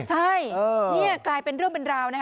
ใช่นี่กลายเป็นเรื่องเป็นราวนะฮะ